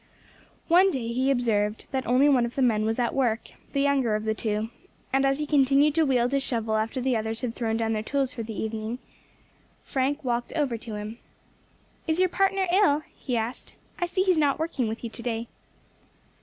One day he observed that only one of the men was at work, the younger of the two; and as he continued to wield his shovel after the others had thrown down their tools for the evening, Frank walked over to him. "Is your partner ill?" he asked. "I see he is not working with you to day."